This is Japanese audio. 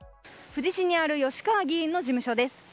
富士市にある吉川議員の事務所です。